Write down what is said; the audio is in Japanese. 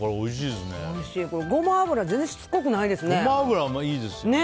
ゴマ油全然しつこくないですね。